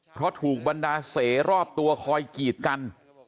เพราะถูกบรรดาเสรอบตัวคอยกีดกัน